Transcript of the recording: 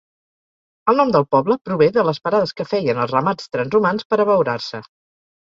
El nom del poble prové de les parades que feien els ramats transhumants per abeurar-se.